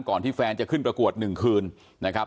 ที่แฟนจะขึ้นประกวด๑คืนนะครับ